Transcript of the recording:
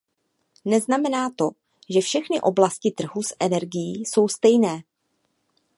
Neznamená to, že všechny oblasti trhu s energií jsou stejné.